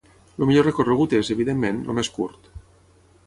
El millor recorregut és, evidentment, el més curt.